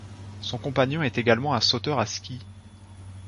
Son compagnon est également un sauteur à ski.